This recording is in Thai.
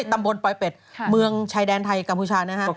ตำรวจปรวยเป็ดเมืองชายดณ์ไทยกัมพูชา